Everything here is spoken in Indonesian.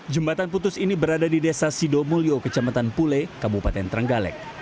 jembatan putus ini berada di desa sidomulyo kecamatan pule kabupaten trenggalek